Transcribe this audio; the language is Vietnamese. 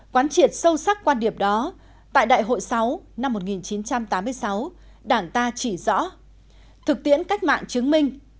quán triệt sâu sắc quan điểm đó tại đại hội sáu năm một nghìn chín trăm tám mươi sáu đảng ta chỉ rõ thực tiễn cách mạng chứng minh